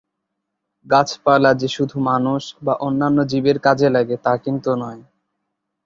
গাছপালা যে শুধু মানুষ বা অন্যান্য জীবের কাজে লাগে তা কিন্তু নয়।